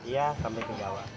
iya sampai ke jawa